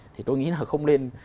thì tôi nghĩ là không nên